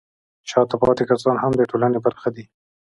شاته پاتې کسان هم د ټولنې برخه دي.